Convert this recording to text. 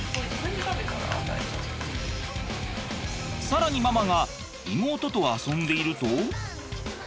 更にママが妹と遊んでいると。